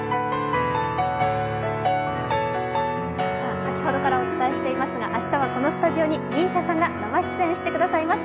先ほどからお伝えしていますが明日はこのスタジオにＭＩＳＩＡさんが生出演してくださいます。